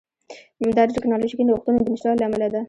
دا د ټکنالوژیکي نوښتونو د نشتوالي له امله ده